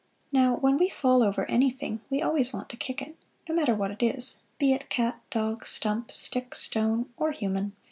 Now, when we fall over anything we always want to kick it no matter what it is, be it cat, dog, stump, stick, stone or human.